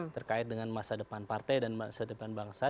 terkait dengan masa depan partai dan masa depan bangsa